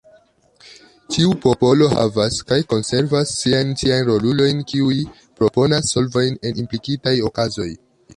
Ĉiu popolo havas kaj konservas siajn tiajn rolulojn kiuj proponas solvojn en implikitaj okazoj.